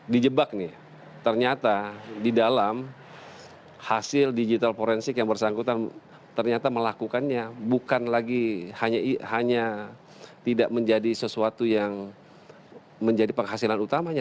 di jebak nih ternyata di dalam hasil digital forensik yang bersangkutan ternyata melakukannya bukan lagi hanya tidak menjadi sesuatu yang menjadi penghasilan utamanya